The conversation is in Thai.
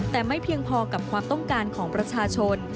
แต่ไม่เพียงพอกับความต้องการของประชาชน